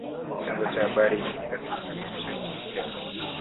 Chanzo cha habari hii ni gazeti linalochapishwa nchini Kenya